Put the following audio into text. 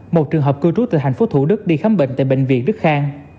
một trường hợp cư trú từ thành phố thủ đức đi khám bệnh tại bệnh viện đức khang